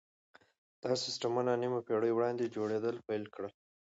دا سيستمونه نيمه پېړۍ وړاندې جوړېدل پيل کړل.